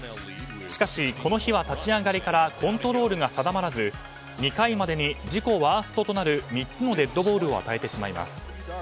しかしこの日は立ち上がりからコントロールが定まらず２回までに自己ワーストとなる３つのデッドボールを与えてしまいます。